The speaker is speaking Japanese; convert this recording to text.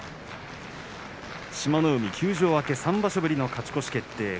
海は休場明け３場所ぶりの勝ち越し決定。